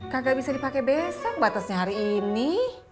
kagak bisa dipakai besok batasnya hari ini